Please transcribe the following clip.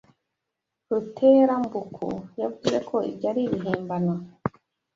Ruterambuku yavuze ko ibyo ari ibihimbano